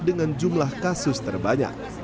dengan jumlah kasus terbanyak